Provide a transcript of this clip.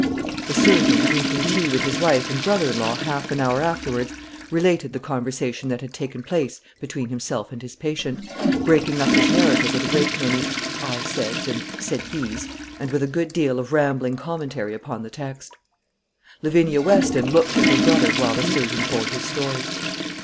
The surgeon, drinking tea with his wife and brother in law half an hour afterwards, related the conversation that had taken place between himself and his patient, breaking up his narrative with a great many "I said's" and "said he's," and with a good deal of rambling commentary upon the text. Lavinia Weston looked at her brother while the surgeon told his story.